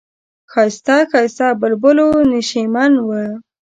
د ښایسته ښایسته بلبلو نشیمن و.